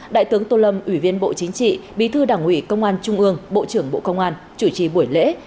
đại tướng tô lâm ủy viên bộ chính trị bí thư đảng ủy công an trung ương bộ trưởng bộ công an chủ trì buổi lễ